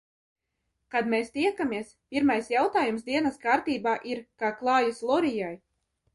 Kad mēs tiekamies, pirmais jautājums dienas kārtībā ir: kā klājas Lorijai?